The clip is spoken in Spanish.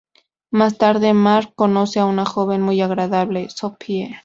Más tarde, Marc conoce a una joven muy agradable, Sophie.